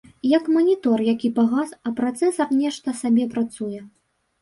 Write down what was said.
Як манітор, які пагас, а працэсар нешта сабе працуе.